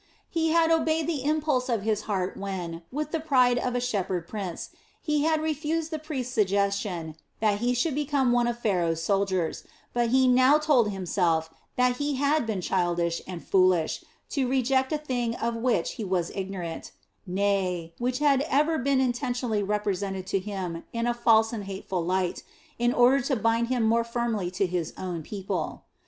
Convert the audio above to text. He had obeyed the impulse of his heart when, with the pride of a shepherd prince, he had refused the priest's suggestion that he should become one of Pharaoh's soldiers, but he now told himself that he had been childish and foolish to reject a thing of which he was ignorant, nay, which had ever been intentionally represented to him in a false and hateful light in order to bind him more firmly to his own people.